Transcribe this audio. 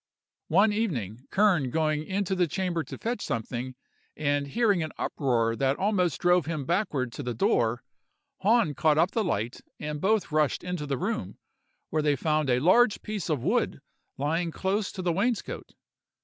One evening, Kern going into the chamber to fetch something, and hearing an uproar that almost drove him backward to the door, Hahn caught up the light, and both rushed into the room, where they found a large piece of wood lying close to the wainscot.